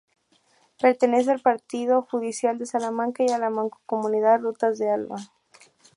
Pertenece al partido judicial de Salamanca y a la Mancomunidad Rutas de Alba.